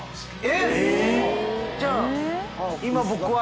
えっ！